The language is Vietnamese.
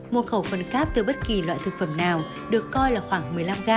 một khẩu phần cáp từ bất kỳ loại thực phẩm nào được coi là khoảng một mươi năm g